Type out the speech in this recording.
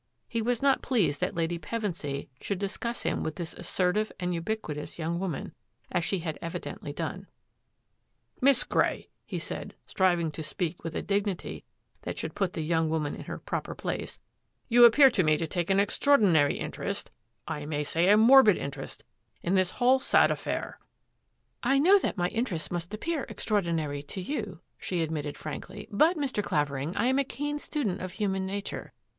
He was not pleased that Lady Pevensy should discuss him with this assertive and ubiquitous young woman, as she had evidently done. " Miss Grey,*' he said, striving to speak with a dignity that should put the young woman in her proper place, " you appear to me to take an ex traordinary interest — I might say a morbid interest — in this whole sad affair." 161 168 THAT AFFAIR AT THE MANOR " I know that my interest must appear extraor dinary to you," she admitted frankly, "but, Mr. Clavering, I am a keen student of human nature.